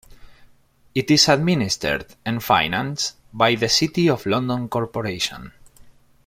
It is administered and financed by the City of London Corporation.